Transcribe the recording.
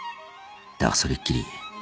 だがそれっきり